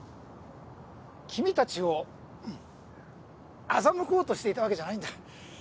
君たちを欺こうとしていたわけじゃないんだ。